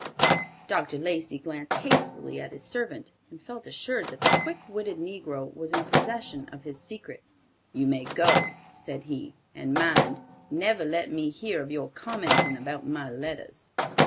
Dr. Lacey glanced hastily at his servant, and felt assured that the quick witted negro was in possession of his secret. "You may go," said he, "and mind, never let me hear of your commenting about my letters."